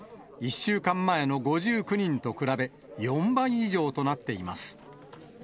１週間前の５９人と比べ、４倍以上となっています。